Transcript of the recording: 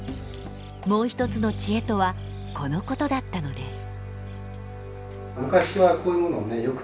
もう一つの知恵とはこのことだったのです。